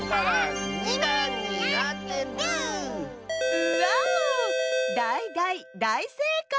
ウォウだいだいだいせいかい！